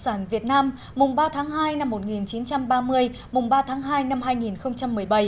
sản việt nam mùng ba tháng hai năm một nghìn chín trăm ba mươi mùng ba tháng hai năm hai nghìn một mươi bảy